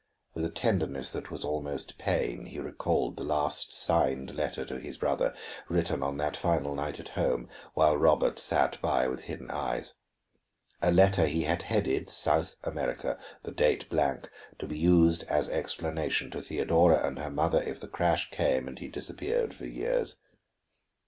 With a tenderness that was almost pain he recalled the last signed letter to his brother, written on that final night at home, while Robert sat by with hidden eyes. A letter he had headed South America, the date blank, to be used as explanation to Theodora and her mother if the crash came and he disappeared for years.